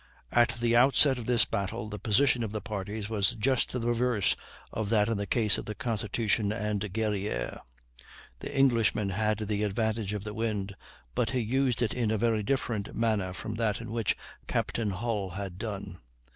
At the outset of this battle the position of the parties was just the reverse of that in the case of the Constitution and Guerrière: the Englishman had the advantage of the wind, but he used it in a very different manner from that in which Captain Hull had done.